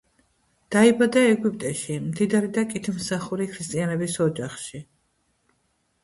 დაიბადა ეგვიპტეში, მდიდარი და კეთილმსახური ქრისტიანების ოჯახში.